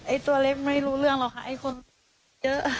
ตัวเล็กไม่รู้เรื่องหรอกค่ะไอ้คนเยอะ